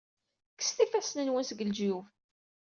Kkset ifassen-nwen seg leǧyub!